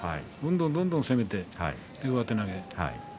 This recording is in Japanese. どんどんどんどん攻めて上手投げ。